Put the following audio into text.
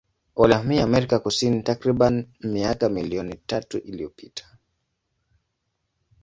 Walihamia Amerika Kusini takribani miaka milioni tatu iliyopita.